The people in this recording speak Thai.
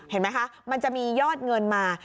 เห็นไหมคะมันจะมียอดเงินมา